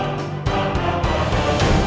adi ya atasnya